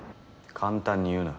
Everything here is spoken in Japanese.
簡単に言うな。